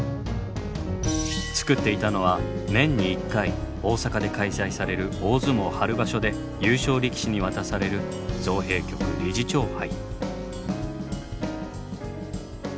造っていたのは年に一回大阪で開催される大相撲春場所で優勝力士に渡される造幣局理事長杯。